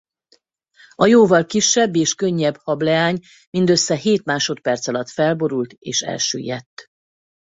A jóval kisebb és könnyebb Hableány mindössze hét másodperc alatt felborult és elsüllyedt.